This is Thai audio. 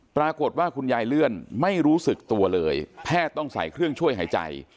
ปรากฏว่าคุณยายเลื่อนไม่รู้สึกตัวเลยแพทย์ต้องใส่เครื่องช่วยหายใจ